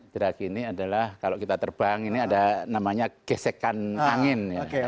gerak ini adalah kalau kita terbang ini ada namanya gesekan angin